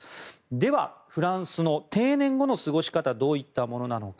ではフランスの定年後の過ごし方どういったものなのか。